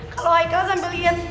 kalau aika sambil liat